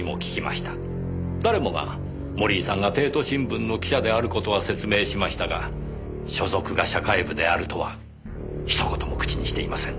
誰もが森井さんが帝都新聞の記者である事は説明しましたが所属が社会部であるとは一言も口にしていません。